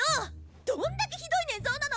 どんだけひどい寝相なの⁉